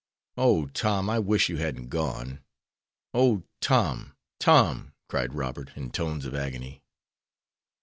"O, Tom, I wish you hadn't gone. O, Tom! Tom!" cried Robert, in tones of agony.